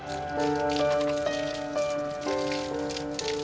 aku mau kita sekedar balik